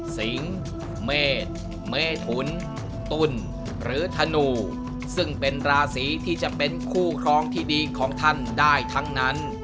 สิงเมษเมถุนตุ้นหรือธนูซึ่งเป็นราศีที่จะเป็นคู่ครองที่ดีของท่านได้ทั้งนั้น